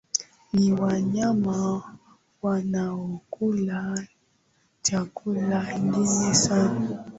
ni wanyama wanaokula chakula kingi sana